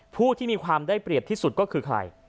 ผู้ที่มีความได้เปรียบที่สุดก็คือใคร